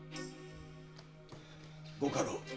ご家老。